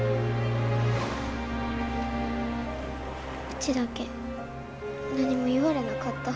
うちだけ何も言われなかった。